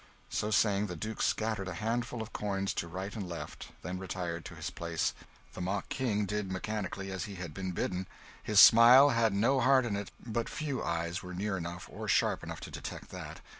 So saying, the Duke scattered a handful of coins to right and left, then retired to his place. The mock King did mechanically as he had been bidden. His smile had no heart in it, but few eyes were near enough or sharp enough to detect that.